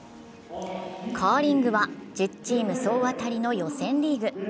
カーリングは１０チーム総当たりの予選リーグ。